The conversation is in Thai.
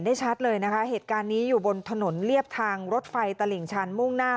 ชัดเลยนะคะเหตุการณ์นี้อยู่บนถนนเรียบทางรถไฟตลิ่งชันมุ่งหน้า